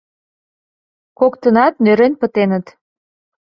Коктынат нӧрен пытеныт.